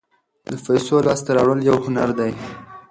د پیسو لاسته راوړل یو هنر دی.